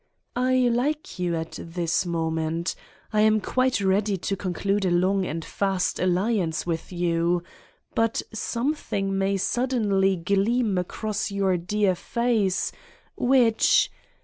I like you at this moment. I am quite ready to conclude a long and fast alliance with you, but something may suddenly gleam across your dear 136 Satan's Diary face which.